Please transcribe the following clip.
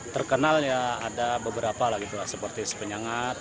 terkenal ada beberapa lagi seperti penyangat